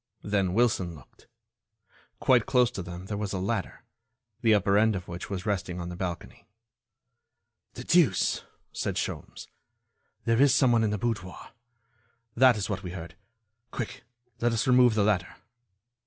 Then Wilson looked. Quite close to them there was a ladder, the upper end of which was resting on the balcony. "The deuce!" said Sholmes, "there is someone in the boudoir. That is what we heard. Quick, let us remove the ladder."